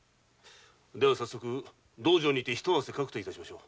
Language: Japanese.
では早速道場で一汗かくと致しましょう。